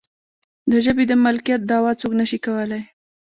د ژبې د مالکیت دعوه څوک نشي کولی.